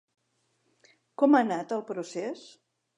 Com ha anat el procés?